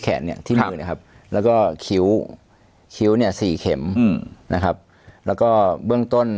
เนี่ยที่มือนะครับแล้วก็คิ้วคิ้วเนี่ยสี่เข็มอืมนะครับแล้วก็เบื้องต้น